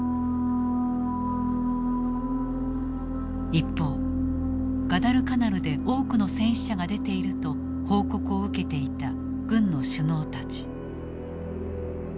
一方ガダルカナルで多くの戦死者が出ていると報告を受けていた軍の首脳たち。